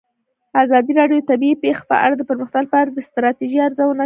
ازادي راډیو د طبیعي پېښې په اړه د پرمختګ لپاره د ستراتیژۍ ارزونه کړې.